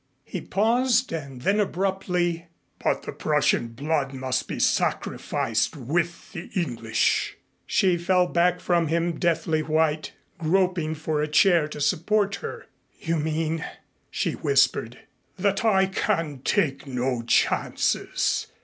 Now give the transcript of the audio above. He paused and then abruptly, "But the Prussian blood must be sacrificed with the English " She fell back from him, deathly white, groping for a chair to support her. "You mean " she whispered. "That I can take no chances.